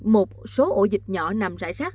một số ổ dịch nhỏ nằm rải rác